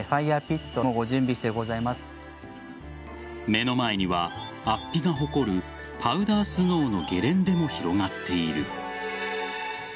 目の前には安比が誇るパウダースノーのゲレンデも広がっている。